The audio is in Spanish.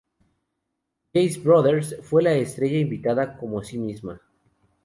Joyce Brothers fue la estrella invitada, como sí misma.